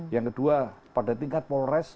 yang kedua pada tingkat polres